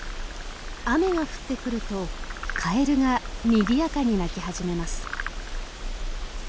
雨が降ってくるとカエルがにぎやかに鳴き始めます。